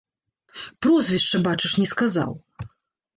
Прозвішча, бачыш, не сказаў!